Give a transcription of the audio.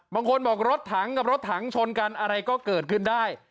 บางคนบอกรถถังกับรถถังชนกันอะไรก็เกิดขึ้นได้